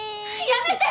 やめて！